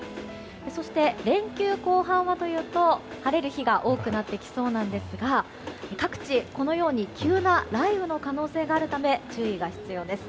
そして、連休後半はというと晴れる日が多くなってきそうですが各地、このように急な雷雨の可能性があるので注意が必要です。